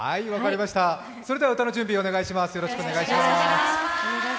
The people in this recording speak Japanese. それでは歌の準備お願いします。